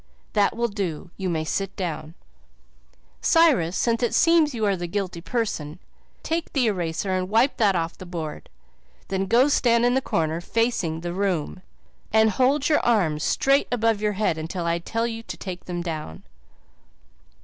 "That will do. You may sit down. Cyrus, since it seems you are the guilty person, take the eraser and wipe that off the board. Then go stand in the corner, facing the room, and hold your arms straight above your head until I tell you to take them down."